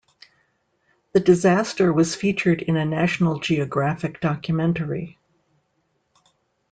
The disaster was featured in a National Geographic Documentary.